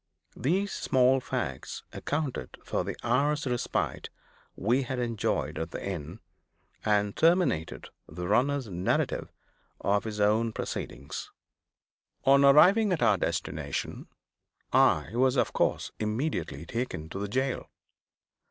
These small facts accounted for the hour's respite we had enjoyed at the inn, and terminated the runner's narrative of his own proceedings. On arriving at our destination I was, of course, immediately taken to the jail.